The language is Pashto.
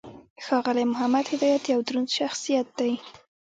ښاغلی محمد هدایت یو دروند شخصیت دی.